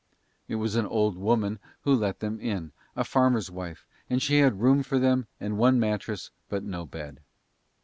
It was an old woman who let them in, a farmer's wife, and she had room for them and one mattress, but no bed.